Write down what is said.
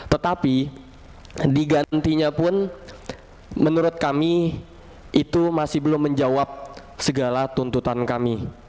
tetapi digantinya pun menurut kami itu masih belum menjawab segala tuntutan kami